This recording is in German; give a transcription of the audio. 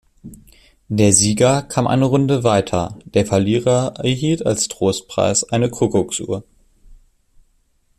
Der Sieger kam eine Runde weiter, der Verlierer erhielt als Trostpreis eine Kuckucksuhr.